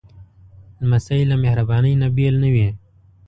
لمسی له مهربانۍ نه بېل نه وي.